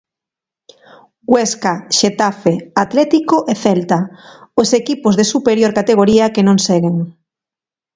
Huesca, Xetafe, Atlético e Celta, os equipos de superior categoría que non seguen.